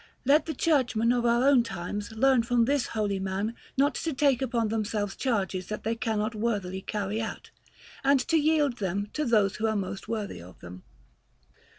Let the churchmen of our own times learn from this holy man not to take upon themselves charges that they cannot worthily carry out, and to yield them to those who are most worthy of them.